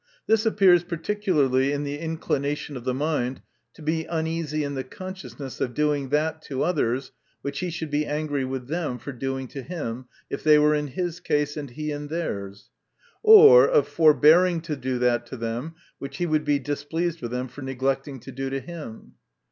This appears particularly in the inclination of the mind to be uneasy in the con sciousness of doing that to others, which he should be angry with them for do ing to him, if they were in his case, and he in theirs ; or, of forbearing to do that to them, which he would be displeased with them for neglecting to do to him.